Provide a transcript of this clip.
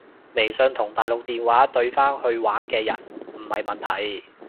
微信同大陸電話對返去玩開嘅人唔係問題